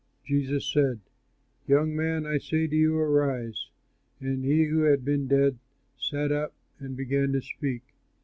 Jesus said: "Young man, I say to you, arise." And he who had been dead sat up and began to speak.